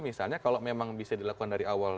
misalnya kalau memang bisa dilakukan dari awal